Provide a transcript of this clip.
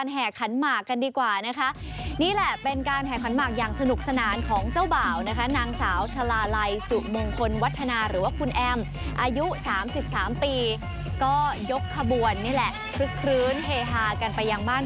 เมื่อกี้ข่าวสาวประเภท๒แล้วสาวธอมนี่เขาเรียกสาวประเภท๓ไหม